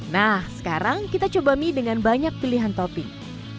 nah sekarang kita coba mie dengan banyak pilihan topping